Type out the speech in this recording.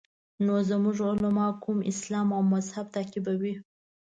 نو زموږ علما کوم اسلام او مذهب تعقیبوي.